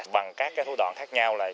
bằng các thủ đoạn khác nhau